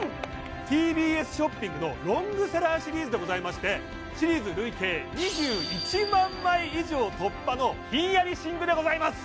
ＴＢＳショッピングのロングセラーシリーズでございましてシリーズ累計２１万枚以上突破のひんやり寝具でございます